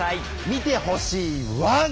見てほしいワン！